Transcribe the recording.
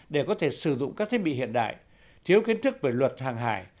để có thể sử dụng các thiết bị hiện đại thiếu kiến thức về luật hàng hải